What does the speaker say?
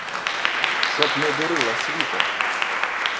Щоб не дурила світом!